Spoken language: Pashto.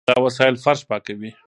دا وسایل فرش پاکوي.